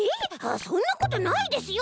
そんなことないですよ！